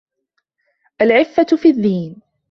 الْعِفَّةُ فِي الدِّينِ